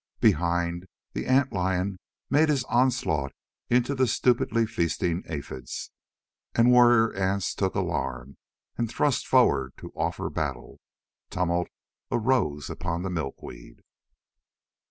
Behind, the ant lion made his onslaught into the stupidly feasting aphids, and warrior ants took alarm and thrust forward to offer battle. Tumult arose upon the milkweed.